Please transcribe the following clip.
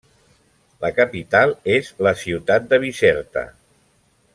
La capital és la ciutat de Bizerta.